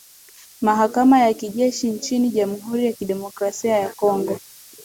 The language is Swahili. mahakama ya kijeshi nchini jamhuri ya kidemokrasi ya congo